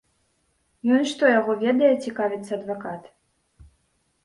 Ён што, яго ведае, цікавіцца адвакат.